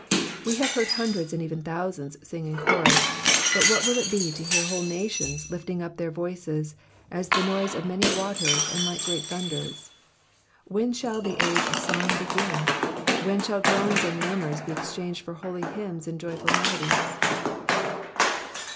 We have heard hundreds and even thousands sing in chorus, but what will it be to hear whole nations lifting up their voices, as the noise of many waters and like great thunders. When shall the age of song begin ? When shall groans and murmurs be exchanged for holy hymns and joyful melodies